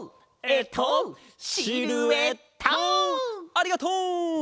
ありがとう！